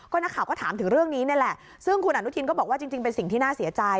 นักข่าวก็ถามถึงเรื่องนี้นี่แหละซึ่งคุณอนุทินก็บอกว่าจริงเป็นสิ่งที่น่าเสียใจ